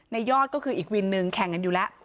ยอดก็คืออีกวินหนึ่งแข่งกันอยู่แล้ว